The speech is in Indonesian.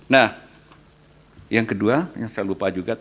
nah yang kedua yang saya lupa juga